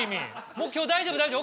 もう今日大丈夫大丈夫。